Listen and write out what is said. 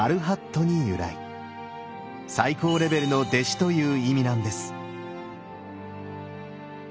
「最高レベルの弟子」という意味なんです。